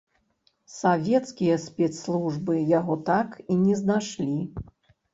Савецкія спецслужбы яго так і не знайшлі.